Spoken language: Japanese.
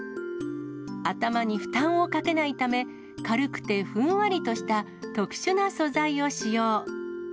頭に負担をかけないため、軽くてふんわりとした特殊な素材を使用。